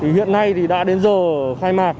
hiện nay đã đến giờ khai mạc